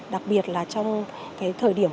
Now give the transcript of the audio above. đặc biệt là trong thời điểm